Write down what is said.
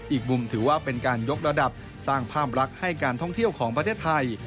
อีกมุมถือว่าเป็นการยกระดับสร้างภาพลักษณ์ให้การท่องเที่ยวของประเทศไทย